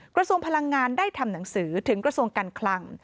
กระทรวงพลังงานได้ทำหนังสือถึงกระทรวงการคลัง